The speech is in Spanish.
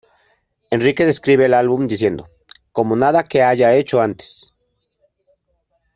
Enrique describe el álbum diciendo: "Como nada que haya hecho antes".